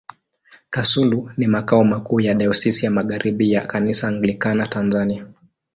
Kasulu ni makao makuu ya Dayosisi ya Magharibi ya Kanisa Anglikana Tanzania.